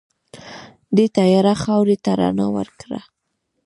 دې تیاره خاورې ته رڼا ورکړه.